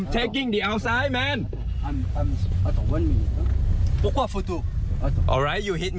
ใช่ค่ะ